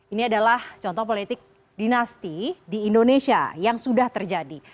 ini adalah contoh politik dinasti di indonesia yang sudah terjadi